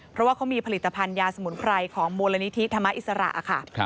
เพราะว่าเขามีผลิตภัณฑ์ยาสมุนไพรของมูลนิธิธรรมอิสระค่ะ